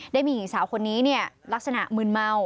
ได้มีหญิงสาวคนนี้ลักษณะมืนเมา